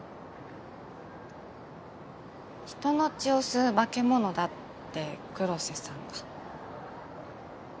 人の血を吸う化け物だって黒瀬さんが。